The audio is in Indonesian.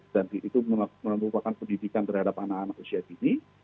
dan itu merupakan pendidikan terhadap anak anak usia dini